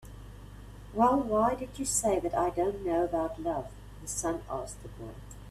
"Well, why did you say that I don't know about love?" the sun asked the boy.